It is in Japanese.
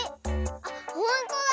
あっほんとだ！